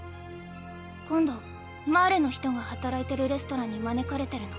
今度マーレの人が働いてるレストランに招かれてるの。